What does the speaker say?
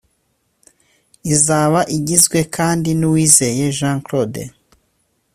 Izaba igizwe kandi n’Uwizeye Jean Claude